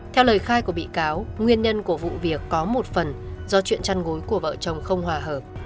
theo lời khai của bị cáo nguyên nhân của vụ việc có một phần do chuyện chăn gối của vợ chồng không hòa hợp